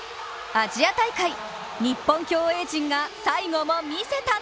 アジア大会、日本競泳陣が最後も見せた！